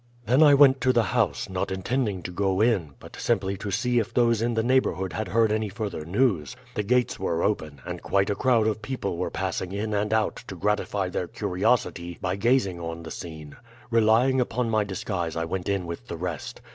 "Then I went to the house, not intending to go in, but simply to see if those in the neighborhood had heard any further news. The gates were open, and quite a crowd of people were passing in and out to gratify their curiosity by gazing on the scene. Relying upon my disguise I went in with the rest.